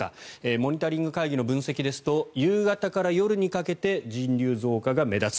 モニタリング会議の分析ですと夕方から夜にかけて人流増加が目立つ。